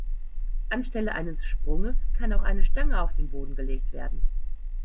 Anstelle eines Sprunges kann auch eine Stange auf den Boden gelegt werden.